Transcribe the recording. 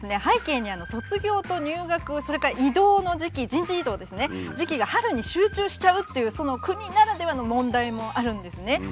背景に卒業と入学それから異動の時期人事異動ですね時期が春に集中しちゃうっていうその国ならではの問題もあるんですね。